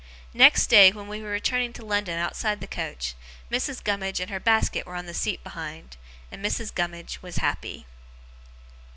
Next day, when we were returning to London outside the coach, Mrs. Gummidge and her basket were on the seat behind, and Mrs. Gummidge was happy.